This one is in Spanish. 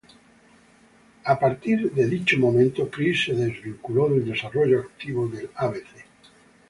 A partir de dicho momento Chris se desvinculó del desarrollo activo del abc.